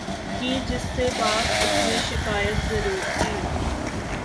کی جس سے بات اسنے شکایت ضرور کی